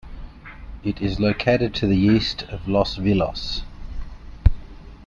It is located to the east of Los Vilos.